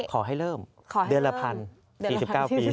ขอให้เริ่มเดือนละพันธุ์๔๙ปี